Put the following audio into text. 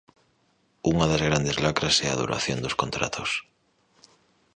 Unha das grandes lacras é a duración dos contratos.